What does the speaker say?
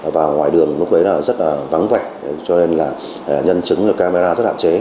và ngoài đường lúc đấy là rất là vắng vạch cho nên là nhân chứng camera rất hạn chế